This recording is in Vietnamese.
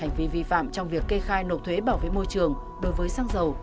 hành vi vi phạm trong việc kê khai nộp thuế bảo vệ môi trường đối với xăng dầu